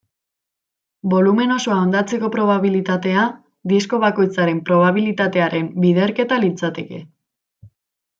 Bolumen osoa hondatzeko probabilitatea disko bakoitzaren probabilitatearen biderketa litzateke.